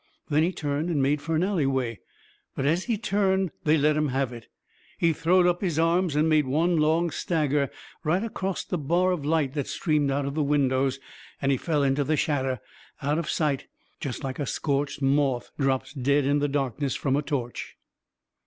Then he turned and made fur an alleyway, but as he turned they let him have it. He throwed up his arms and made one long stagger, right acrost the bar of light that streamed out of the windows, and he fell into the shadder, out of sight, jest like a scorched moth drops dead into the darkness from a torch.